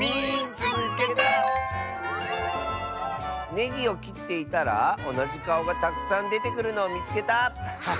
「ネギをきっていたらおなじかおがたくさんでてくるのをみつけた！」。